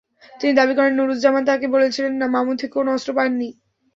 তিনি দাবি করেন, নুরুজ্জামান তাঁকে বলেছিলেন মামুন থেকে কোনো অস্ত্র পাননি।